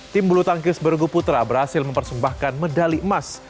tim bulu tangkis bergu putra berhasil mempersembahkan medali emas